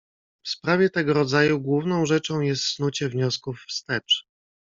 "W sprawie tego rodzaju główną rzeczą jest snucie wniosków wstecz."